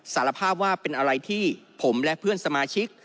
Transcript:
สารภาพว่าเป็นอะไรที่ผมและเพื่อนสมาชิก